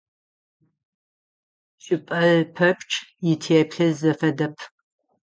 Чӏыпӏэ пэпчъ итеплъэ зэфэдэп.